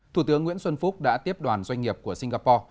thủ tướng nguyễn xuân phúc đã tiếp đoàn doanh nghiệp của singapore